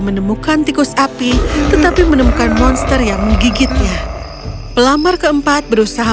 menemukan tikus api tetapi menemukan monster yang menggigitnya pelamar keempat berusaha